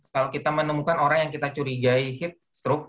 kalau kita menemukan orang yang kita curigai heat stroke